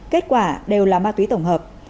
kết quả đều là ma túy tổng hợp